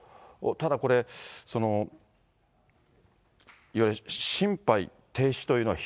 ただこれ、いわゆる心肺停止というのは、